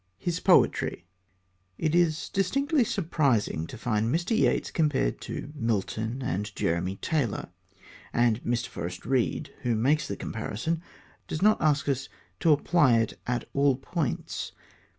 HIS POETRY It is distinctly surprising to find Mr. Yeats compared to Milton and Jeremy Taylor, and Mr. Forrest Reid, who makes the comparison, does not ask us to apply it at all points.